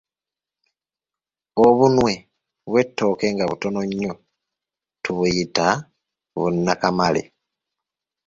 Obunwe bw'ettooke nga butono nnyo tubuyita bunakamale